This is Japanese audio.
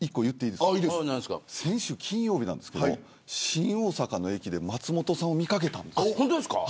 先週、金曜日なんですけど新大阪の駅で松本さんを見掛けたんですよ。